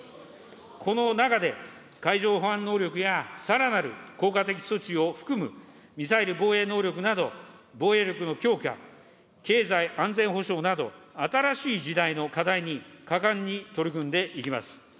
この中で海上保安能力やさらなる効果的措置を含むミサイル防衛能力など、防衛力の強化、経済安全保障など、新しい時代の課題に果敢に取り組んでいきます。